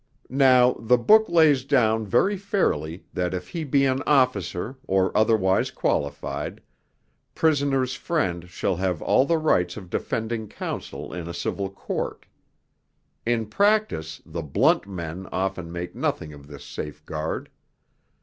Now 'The Book' lays down very fairly that if he be an officer, or otherwise qualified, Prisoner's Friend shall have all the rights of defending counsel in a civil court. In practice, the 'blunt men' often make nothing of this safeguard.